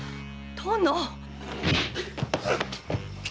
殿！